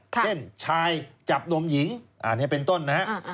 เช่นชายจับนมหญิงอันนี้เป็นต้นนะฮะ